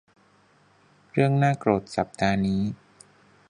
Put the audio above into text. เรื่องน่าโกรธสัปดาห์นี้